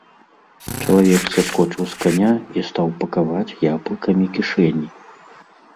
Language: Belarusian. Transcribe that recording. Чалавек саскочыў з каня і стаў пакаваць яблыкамі кішэні.